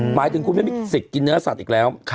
หมายถึงคุณไม่มีสิทธิ์กินเนื้อสัตว์อีกแล้ว